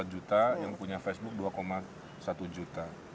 dua empat juta yang punya facebook dua satu juta